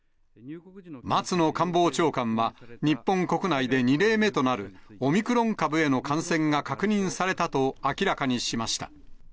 松野官房長官は日本国内で２例目となるオミクロン株への感染が確認されたと明らかにしました。